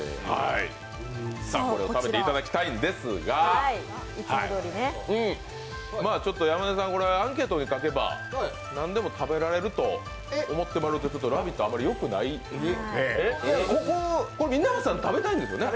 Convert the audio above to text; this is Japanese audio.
これを食べていただきたいんですがちょっと山根さん、これアンケートに書けば何でも食べられると思うと「ラヴィット！」はあまりよくないので、これ皆さん、食べたいですよね。